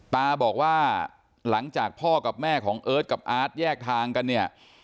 ตาบอกว่าหลังจากพ่อกับแม่ของเอิร์ทกับอาร์ตแยกทางกันเนี่ย